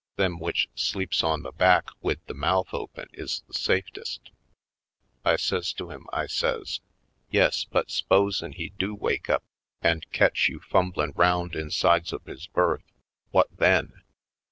Them w'ich sleeps on the back wid the mouth open is the safetest." I says to him, I says: "Yes, but s'posen' he do wake up an' ketch 36 /. Poindextery Colored you fumblin' 'round insides of his berth. Whut then?"